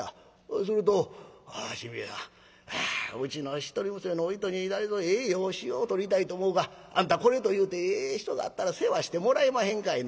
すると『新兵衛さんうちの一人娘のお糸に誰ぞええ養子をとりたいと思うがあんたこれというてええ人があったら世話してもらえまへんかいな』